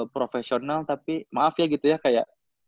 profesional tapi maaf ya gitu ya kayak